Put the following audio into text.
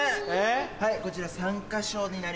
はいこちら参加賞になります。